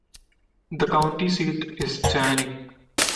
The county seat is Channing.